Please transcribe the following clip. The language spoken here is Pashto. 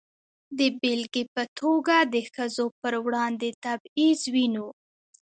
د بېلګې په توګه د ښځو پر وړاندې تبعیض وینو.